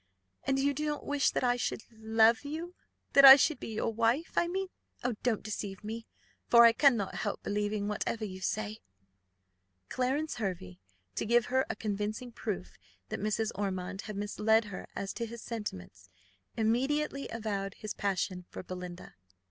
And you do not wish that I should love you, that I should be your wife, I mean? Oh, don't deceive me, for I cannot help believing whatever you say." Clarence Hervey, to give her a convincing proof that Mrs. Ormond had misled her as to his sentiments, immediately avowed his passion for Belinda.